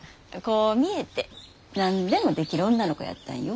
こう見えて何でもできる女の子やったんよ。